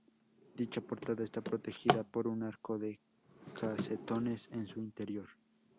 Dicha `portada está protegida por un arco de casetones en su interior.